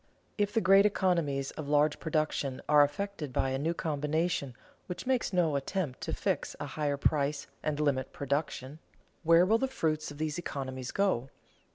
_ If the great economies of large production are effected by a new combination which makes no attempt to fix a higher price and limit production, where will the fruits of these economies go?